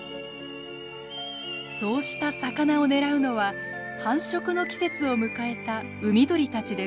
そうした魚を狙うのは繁殖の季節を迎えた海鳥たちです。